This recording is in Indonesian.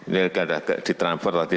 ini di transfer tadi satu dua